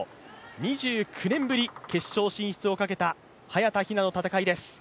２９年ぶり、決勝進出をかけた早田ひなの戦いです。